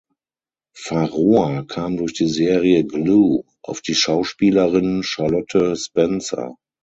Pharoah kam durch die Serie "Glue" auf die Schauspielerin Charlotte Spencer.